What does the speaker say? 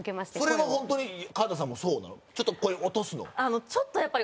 それはホントに川田さんもそうなの？